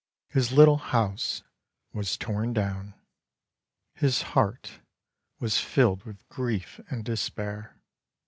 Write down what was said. His little house was torn down. His heart was filled with grief and despair.